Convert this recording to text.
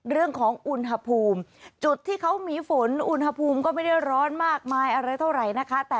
เรื่องของอุณหภูมิจุดที่เขามีฝนอุณหภูมิก็ไม่ได้ร้อนมากมายอะไรเท่าไหร่นะคะ